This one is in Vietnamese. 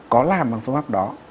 có làm bằng phương pháp đó